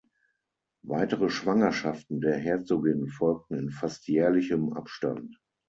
Weitere Schwangerschaften der Herzogin folgten in fast jährlichem Abstand.